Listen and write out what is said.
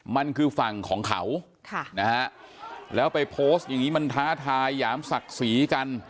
มันคือฝั่งของเขาแล้วไปโพสต์อย่างนี้มันท้าทายหยามศักดิ์ศรีกัน